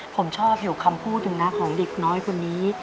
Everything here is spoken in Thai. ผมชอบเห็นคำพูดอยู่นะของเด็กน้อยคนนี้